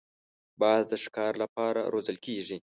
باز د ښکار له پاره روزل کېږي